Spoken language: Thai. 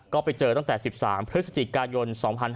ก็ไปเจอตั้งแต่๑๓พฤศจิกายน๒๕๕๙